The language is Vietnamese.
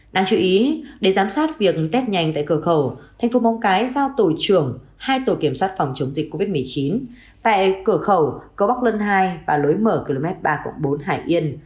đáng chú ý để giám sát việc test nhanh tại cửa khẩu tp mông cái giao tổ trưởng hai tổ kiểm soát phòng chống dịch covid một mươi chín tại cửa khẩu cầu bóc lân hai và lối mở km ba bốn hải yên